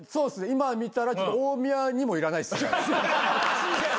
今見たら大宮にもいらないっすね。